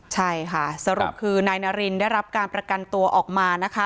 ใช่ค่ะสรุปคือนายนารินได้รับการประกันตัวออกมานะคะ